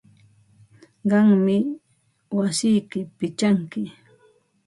Qammi wasiyki pichanki.